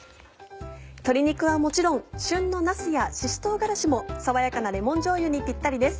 鶏肉はもちろん旬のなすやしし唐辛子も爽やかなレモンじょうゆにぴったりです。